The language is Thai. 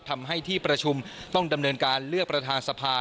ทำให้ที่ประชุมต้องดำเนินการเลือกประธานสภา